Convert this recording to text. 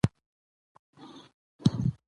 کویلیو روایت او سمبولیزم ګډ کړي دي.